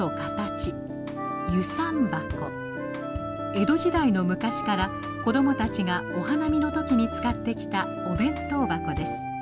江戸時代の昔から子供たちがお花見の時に使ってきたお弁当箱です。